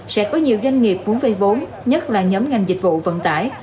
sẽ có nhiều doanh nghiệp muốn vây vốn nhất là nhóm ngành dịch vụ vận tải